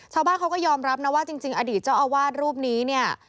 ชาวบ้านเขาก็ยอมรับนะว่าจริงอดีตเจ้าอาวาสรูปนี้เนี่ย